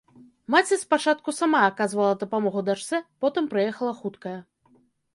Маці спачатку сама аказвала дапамогу дачцэ, потым прыехала хуткая.